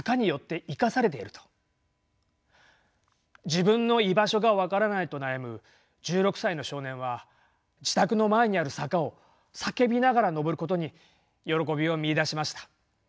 自分の居場所が分からないと悩む１６歳の少年は自宅の前にある坂を叫びながら上ることに喜びを見いだしました。